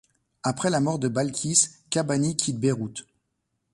Après la mort de Balkis, Kabbani quitte Beyrouth.